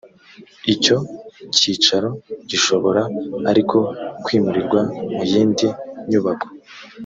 icyo cyicaro gishobora ariko kwimurirwa mu yindi nyubako